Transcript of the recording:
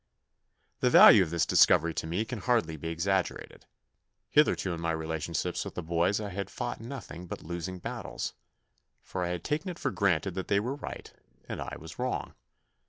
The value of this discovery to me can hardly be exaggerated. Hitherto in my relationships with the boys I had fought nothing but losing battles, for I had taken it for granted that they were right and I was wrong.